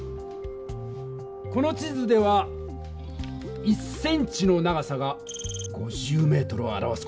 この地図では１ｃｍの長さが５０ｍを表す事になっている。